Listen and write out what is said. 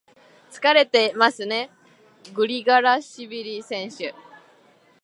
疲れてますね、グリガラシビリ選手。